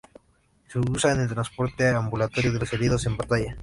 Se usa en el transporte ambulatorio de los heridos en batalla.